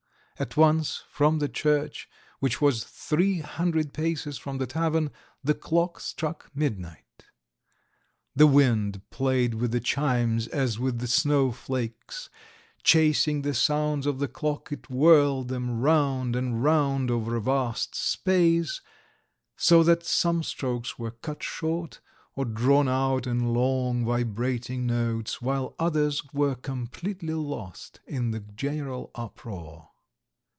At once from the church, which was three hundred paces from the tavern, the clock struck midnight. The wind played with the chimes as with the snowflakes; chasing the sounds of the clock it whirled them round and round over a vast space, so that some strokes were cut short or drawn out in long, vibrating notes, while others were completely lost in the general uproar.